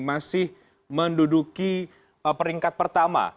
masih menduduki peringkat pertama